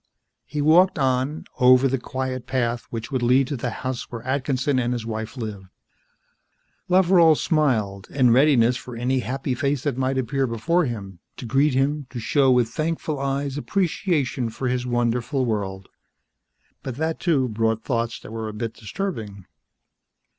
He walked on, over the quiet path which would lead to the house where Atkinson and his wife lived. Loveral smiled, in readiness for any happy face that might appear before him, to greet him, to show with thankful eyes appreciation for his wonderful world. But that, too, brought thoughts that were a bit disturbing.